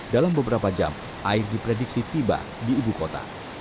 dalam beberapa jam air diprediksi tiba di ibu kota